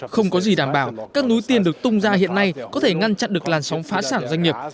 không có gì đảm bảo các núi tiền được tung ra hiện nay có thể ngăn chặn được làn sóng phá sản doanh nghiệp